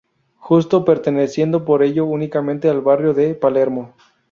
Justo, perteneciendo por ello únicamente al barrio de Palermo.